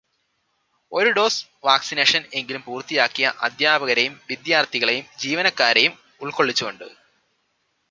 ഒരു ഡോസ് വാക്സിനേഷന് എങ്കിലും പൂര്ത്തിയാക്കിയ അധ്യാപകരെയും വിദ്യാര്ഥികളേയും ജീവനക്കാരേയും ഉള്ക്കൊള്ളിച്ചു കൊണ്ട്